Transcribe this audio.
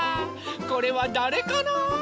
これはだれかな？